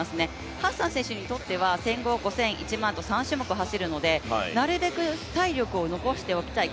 ハッサン選手にとっては１５００、５０００１００００３種目走るので、なるべく体力を残しておきたい